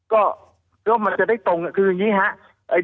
ก็มันจะได้ตรงคืออย่างนี้ครับ